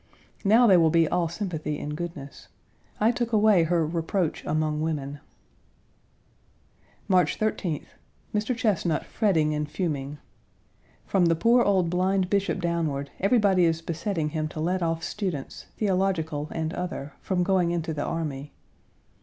Now, they will be all sympathy and goodness. I took away her "reproach among women." March 13th. Mr. Chesnut fretting and fuming. From the poor old blind bishop downward everybody is besetting him to let off students, theological and other, from going into the army.